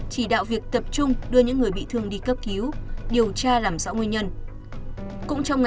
chỉ đạo việc tập trung đưa những người bị thương đi cấp cứu điều tra làm rõ nguyên nhân